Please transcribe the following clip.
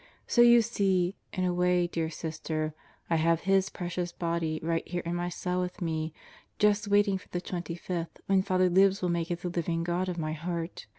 So yon see, in a way dear Sister, I have His precious Body right here in my cell with me, just waiting for the 25th when Father Libs will make it the Living God of my heart.